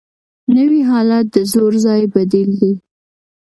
نوی حالت د زوړ ځای بدیل دی